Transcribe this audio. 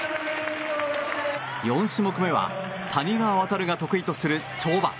４種目めは谷川航が得意とする跳馬。